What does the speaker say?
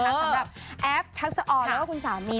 สำหรับแอฟทักษะออนแล้วก็คุณสามี